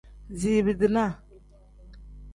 Ziibi-dinaa.